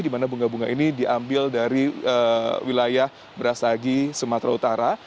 dimana bunga bunga ini diambil dari wilayah berasagi sumatera utara